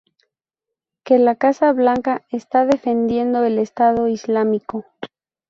Que la Casa Blanca está defendiendo el Estado Islámico"".